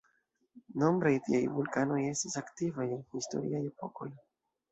Nombraj tiaj vulkanoj estis aktivaj en historiaj epokoj.